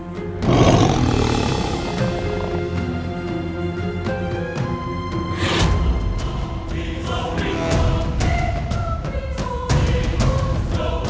tak ada kebun